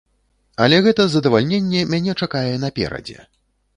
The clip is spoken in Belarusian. Але гэта задавальненне мяне чакае наперадзе.